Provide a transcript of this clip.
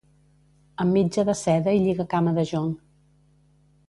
Amb mitja de seda i lligacama de jonc.